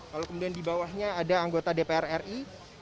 kalau kemudian dibawahnya ada anggota dpr ri